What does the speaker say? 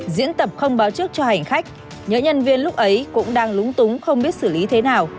diễn tập không báo trước cho hành khách nhớ nhân viên lúc ấy cũng đang lúng túng không biết xử lý thế nào